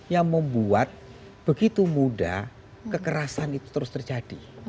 yang membuat begitu mudah kekerasan itu terus terjadi